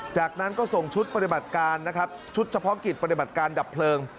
จากนั้นก็ส่งชุดปฏิบัติการนะครับชุดเฉพาะกิจปฏิบัติการดับเพลิง